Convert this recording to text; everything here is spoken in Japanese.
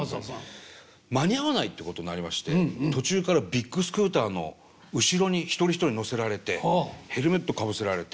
間に合わないってことになりまして途中からビッグスクーターの後ろに一人一人乗せられてヘルメットかぶせられて。